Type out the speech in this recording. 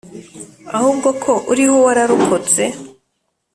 Ahubwo ko uriho wararokotse.